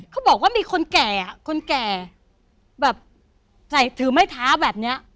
เขาบอกว่ามีคนแก่คนแก่ถือไม้เท้าแบบนี้